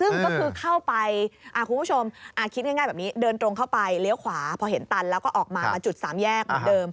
ซึ่งก็คือเข้าไปคุณผู้ชมคิดง่ายแบบนี้เดินตรงเข้าไปเลี้ยวขวาพอเห็นตันแล้วก็ออกมามาจุดสามแยกเหมือนเดิม